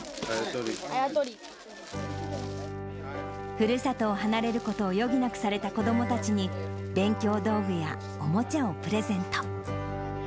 ふるさとを離れることを余儀なくされた子どもたちに、勉強道具やおもちゃをプレゼント。